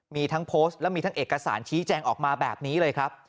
มีทั้งโพสต์และมีทั้งเอกสารชี้แจงออกมาแบบนี้เลยครับ